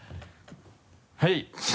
はい。